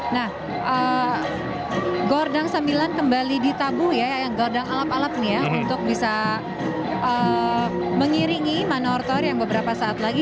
nah gordang sembilan kembali ditabuh ya yang gordang alap alap nih ya untuk bisa mengiringi manortor yang beberapa saat lagi